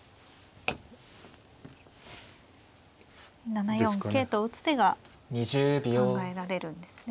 ７四桂と打つ手が考えられるんですね。